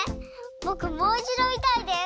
ぼくもういちどみたいです！